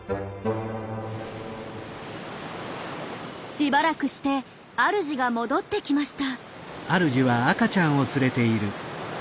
しばらくして主が戻ってきました。